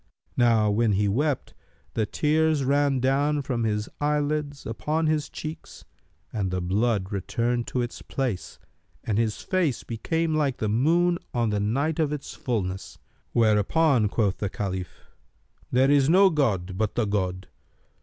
Now when he wept, the tears ran down from his eyelids upon his cheeks and the blood returned to its place and his face became like the moon on the night of its fulness. Whereupon quoth the Caliph, "There is no god but the God!